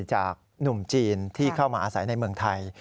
จากหนุ่มจีนที่เข้ามาอาศัยในเมืองไทย